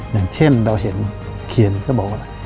อย่างเช่นเราเห็นเขียนก็บอกว่า